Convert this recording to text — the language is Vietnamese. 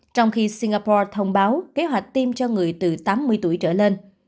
trong khi singapore thông báo kế hoạch tiêm cho người từ tám mươi tuổi trở lên